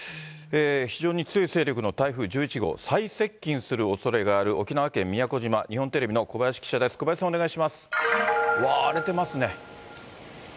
非常に強い勢力の台風１１号、最接近するおそれがある、沖縄県宮古島、日本テレビの小林記者です、お願いします。